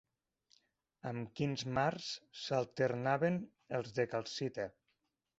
Amb quins mars s'alternaven els de calcita?